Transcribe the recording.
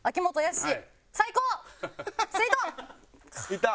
いった！